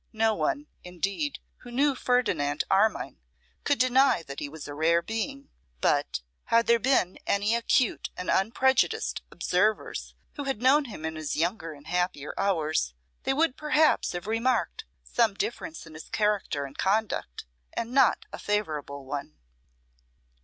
No one, indeed, who knew Ferdinand Armine could deny that he was a rare being; but, had there been any acute and unprejudiced observers who had known him in his younger and happier hours, they would perhaps have remarked some difference in his character and conduct, and not a favourable one.